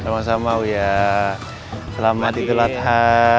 selamat salam ya selamat idul adha